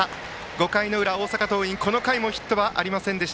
５回の裏、大阪桐蔭この回もヒットありません。